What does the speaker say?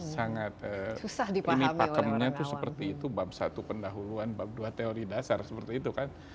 sangat ini pakemnya itu seperti itu bab satu pendahuluan bab dua teori dasar seperti itu kan